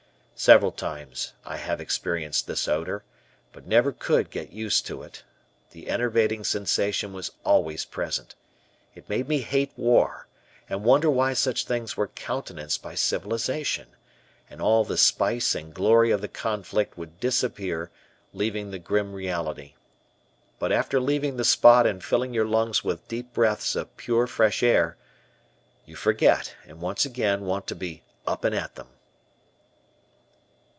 Several times I have experienced this odor, but never could get used to it; the enervating sensation was always present. It made me hate war and wonder why such things were countenanced by civilisation, and all the spice and glory of the conflict would disappear, leaving the grim reality. But after leaving the spot and filling your lungs with deep breaths of pure, fresh air, you forget and once again want to be "up and at them."